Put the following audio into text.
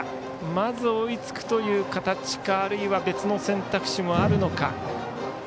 まず追いつくという形かあるいは別の選択肢もあるのか。